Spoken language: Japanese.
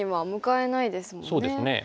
そうですね。